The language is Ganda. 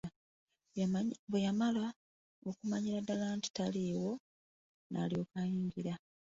Bwe yamala okumanyira ddala nga taliiwo n'alyoka ayingira.